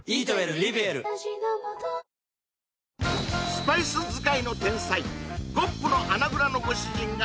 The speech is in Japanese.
スパイス使いの天才！